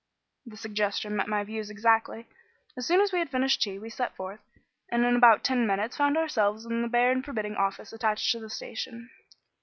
The suggestion met my views exactly. As soon as we had finished tea, we set forth, and in about ten minutes found ourselves in the bare and forbidding office attached to the station.